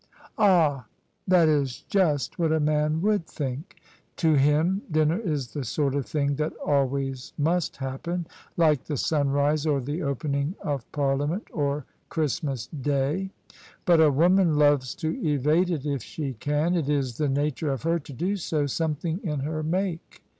"Ah! that is just what a man would think. To him dinner is the sort of thing that always must happen — ^like the sunrise or the opening of Parliament or Christmas Day. But a woman loves to evade it if she can: it is the nature of her to do so — something in her make.